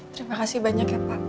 terima kasih banyak ya pak